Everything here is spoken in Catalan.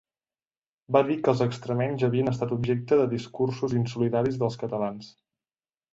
Va dir que els extremenys havien estat objecte de discursos insolidaris dels catalans.